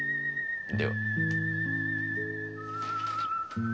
では。